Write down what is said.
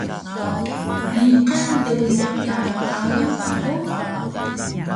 Niqan dgiyaq ka alang ta hug?